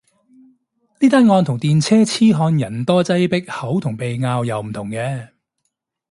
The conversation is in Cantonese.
呢單案同電車痴漢人多擠迫口同鼻拗又唔同嘅